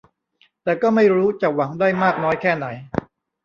แต่ก็ไม่รู้จะหวังได้มากน้อยแค่ไหน